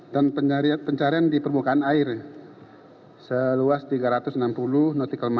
dan pencarian di permukaan air seluas tiga ratus enam puluh nm